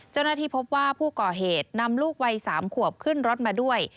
เจ้าหน้าที่พบว่าผู้ก่อเหตุนำลูกวัย๓ขวบขึ้นรถมาด้วย